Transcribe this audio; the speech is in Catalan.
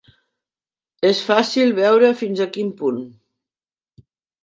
És fàcil veure fins a quin punt.